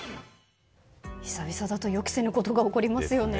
久々だと予期せぬことが起きますよね。